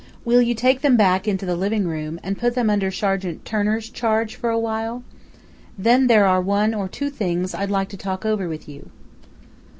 "Will you take them back into the living room and put them under Sergeant Turner's charge for a while? Then there are one or two things I'd like to talk over with you."